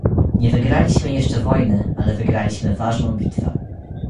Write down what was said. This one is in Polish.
Nie wygraliśmy jeszcze wojny, ale wygraliśmy ważną bitwę